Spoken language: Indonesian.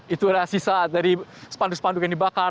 itu adalah sisa dari spanduk spanduk yang dibakar